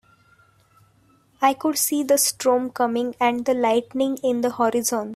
I could see the storm coming and the lightnings in the horizon.